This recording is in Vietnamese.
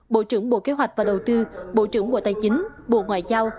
bộ trưởng bộ kế hoạch và đầu tư bộ trưởng bộ tài chính bộ ngoại giao